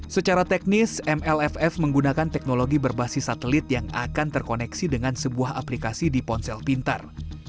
secara teknis mlff menggunakan teknologi berbasis satelit yang akan terkoneksi dengan sebuah aplikasi di ponsel pintar